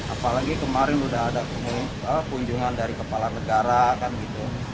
apalagi kemarin udah ada kunjungan dari kepala negara kan gitu